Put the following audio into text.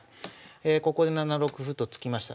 ここで７六歩と突きました。